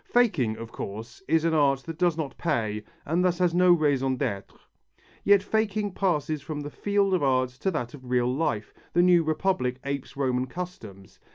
Faking, of course, is an art that does not pay and thus has no raison d'être. Yet faking passes from the field of art to that of real life, the new Republic apes Roman customs.